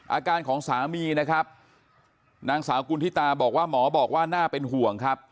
อาการของสามีนะครับนางสาวกุณฑิตาบอกว่าหมอบอกว่าน่าเป็นห่วงครับ